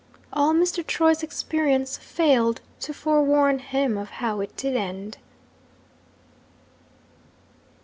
All Mr. Troy's experience failed to forewarn him of how it did end.